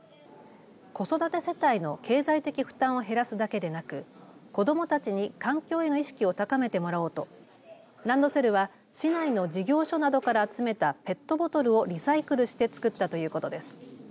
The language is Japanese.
子育て世帯の経済的負担を減らすだけでなく子どもたちに環境への意識を高めてもらおうとランドセルは市内の事業所などから集めたペットボトルをリサイクルして作ったということです。